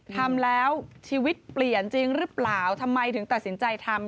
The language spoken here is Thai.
ทำแล้วชีวิตเปลี่ยนจริงหรือเปล่าทำไมถึงตัดสินใจทำ